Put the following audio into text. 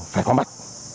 phải có mặt